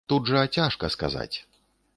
Тут жа цяжка сказаць.